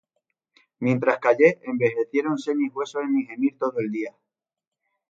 Mientras callé, envejeciéronse mis huesos En mi gemir todo el día.